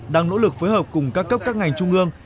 đang nỗ lực phối hợp cùng các cấp các ngành trung ương